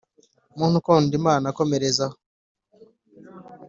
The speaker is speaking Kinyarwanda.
muntu ukunda imana komerzaho